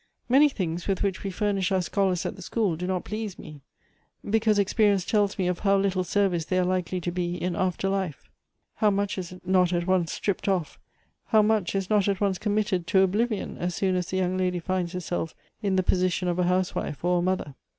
" Many things, with which we furnish our scholars at the school, do not please me ; because experience tells me of how little service they are likely to be in after life. How much is not at once stripped off; how much is not at once committed to oblivion, as soon as the young lady finds herself in the position of a housewife or a mother